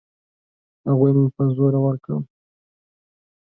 هغوی ما په زور ورکړم.